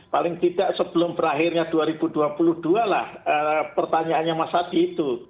paling tidak sebelum berakhirnya dua ribu dua puluh dua lah pertanyaannya mas hadi itu